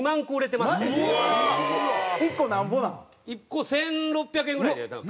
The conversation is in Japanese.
１個１６００円ぐらいで多分。